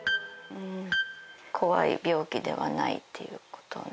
怖い病気ではないっていうことをね